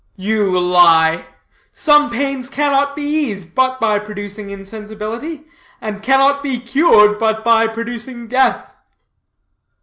"You lie! Some pains cannot be eased but by producing insensibility, and cannot be cured but by producing death."